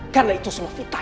karena itu semua fitnah